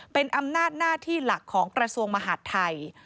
เป็นอำนาจหน้าที่หลักของกระทรวงมหาดไทย